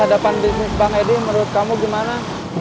masa depan bisnis bank ed menurut kamu gimana